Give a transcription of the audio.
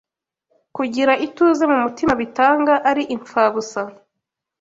kugira ituze mu mutima bitanga ari imfabusa.